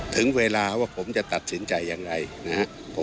ถึงเวลาว่าผมจะตัดสินใจอย่างไรนะครับ